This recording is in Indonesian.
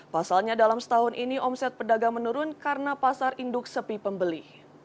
pasalnya dalam setahun ini omset pedagang menurun karena pasar induk sepi pembeli